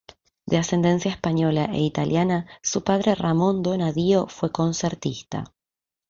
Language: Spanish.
De ascendencia española e italiana, su padre Ramón Donna-Dío fue concertista.